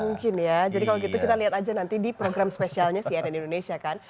mungkin ya jadi kalau gitu kita lihat aja nanti di program spesialnya cnn indonesia kan